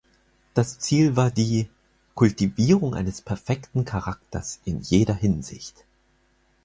Das Ziel war die „Kultivierung eines perfekten Charakters in jeder Hinsicht“.